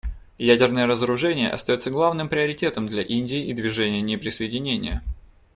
Ядерное разоружение остается главным приоритетом для Индии и Движения неприсоединения.